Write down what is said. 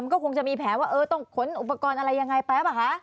ก็คงจะมีแผลว่าเออต้องขนอุปกรณ์อะไรยังไงแป๊บป่ะคะ